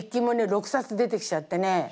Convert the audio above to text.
６冊出てきちゃってね。